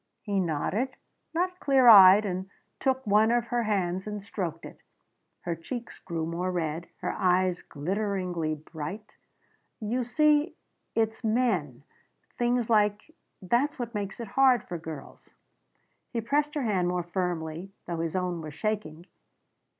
He nodded, not clear eyed, and took one of her hands and stroked it. Her cheeks grew more red; her eyes glitteringly bright. "You see it's men things like that's what makes it hard for girls." He pressed her hand more firmly, though his own was shaking.